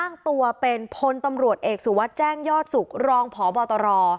อ้างตัวเป็นพลตำรวจเอกสุวัสดิ์แจ้งยอดสุขรองพบตร